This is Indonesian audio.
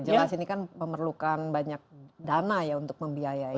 jelas ini kan memerlukan banyak dana ya untuk membiayai